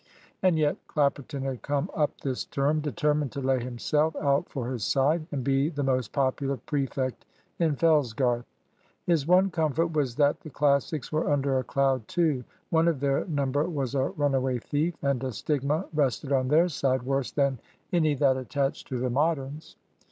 And yet Clapperton had come up this term determined to lay himself out for his side, and be the most popular prefect in Fellsgarth! His one comfort was that the Classics were under a cloud too. One of their number was a runaway thief; and a stigma rested on their side worse than any that attached to the Moderns.